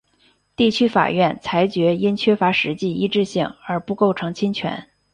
地区法院裁决因缺乏实际一致性而不构成侵权。